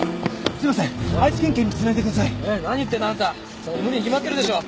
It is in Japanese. それ無理に決まってるでしょ！